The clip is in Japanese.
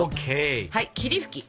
はい霧吹き。